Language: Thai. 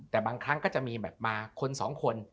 แต่บางครั้งก็จะมีแบบมาคนสองคน